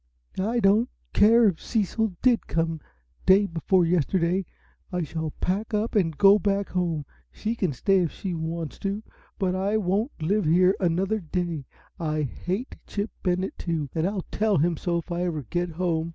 "I don't care if Cecil did just come day before yesterday I shall pack up and go back home. She can stay if she wants to, but I won't live here another day. I hate Chip Bennett, too, and I'll tell him so if I ever get home.